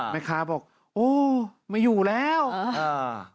แม่ค้าบอกว่าไม่อยู่แล้ววว